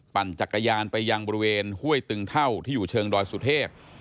ปั่นจักรยานไปยังบริเวณห้วยตึงเท่าที่อยู่เชิงดอยสุเทพ